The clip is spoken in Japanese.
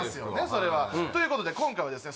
それはということで今回はですね